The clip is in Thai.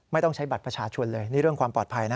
ไม่ต้องใช้บัตรประชาชนเลยนี่เรื่องความปลอดภัยนะ